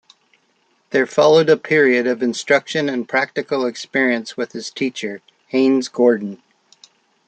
There followed a period of instruction and practical experience with his teacher, Hayes Gordon.